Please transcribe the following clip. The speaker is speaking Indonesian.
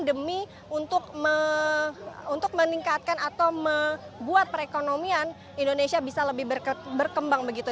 demi untuk meningkatkan atau membuat perekonomian indonesia bisa lebih berkembang begitu